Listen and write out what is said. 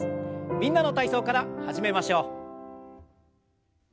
「みんなの体操」から始めましょう。